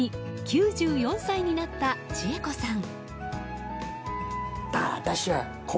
４月に９４歳になった千恵子さん。